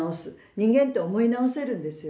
人間って思い直せるんですよね。